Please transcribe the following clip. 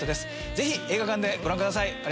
ぜひ映画館でご覧ください。